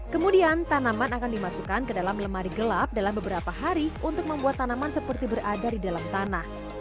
kemudian tanaman akan dimasukkan ke dalam lemari gelap dalam beberapa hari untuk membuat tanaman seperti berada di dalam tanah